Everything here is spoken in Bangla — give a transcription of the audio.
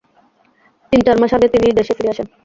তিন চার মাস আগে তিনি দেশে ফিরে আসেন।